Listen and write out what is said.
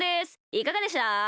いかがでした？